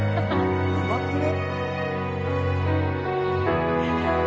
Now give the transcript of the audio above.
うまくね？